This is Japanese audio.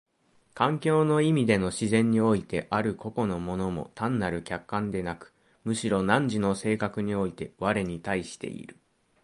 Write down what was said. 環境の意味での自然においてある個々の物も単なる客観でなく、むしろ汝の性格において我に対している。